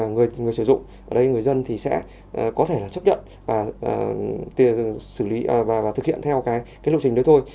người sử dụng ở đây người dân thì sẽ có thể là chấp nhận và thực hiện theo cái lộ trình đấy thôi